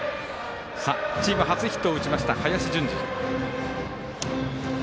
チーム初ヒットを打ちました、バッター、林純司。